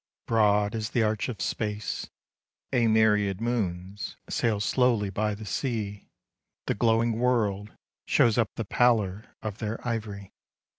I troad as the arch of space, a myriad moons Sail slowly by the sea ; the glowing world Shows up the pallor of their ivory.